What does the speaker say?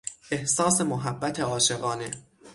احساس محبت عاشقانه